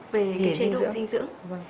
về cái chế độ dinh dưỡng